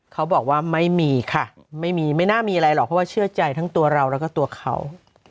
เขาบอกว่าไม่มีค่ะไม่มีไม่น่ามีอะไรหรอกเพราะว่าเชื่อใจทั้งตัวเราแล้วก็ตัวเขา